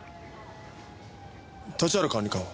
立原管理官は？